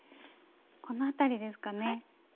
このあたりですかね。